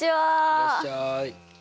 いらっしゃい。